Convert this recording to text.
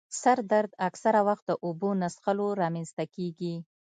سر درد اکثره وخت د اوبو نه څیښلو رامنځته کېږي.